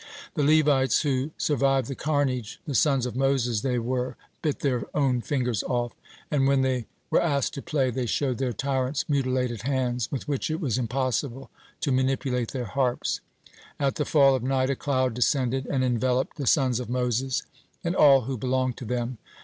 The Levites who survived the carnage the Sons of Moses they were bit their own fingers off, and when they were asked to play, they showed their tyrants mutilated hands, with which it was impossible to manipulate their harps. (55) At the fall of night a cloud descended and enveloped the Sons of Moses and all who belonged to them.